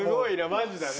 マジだね。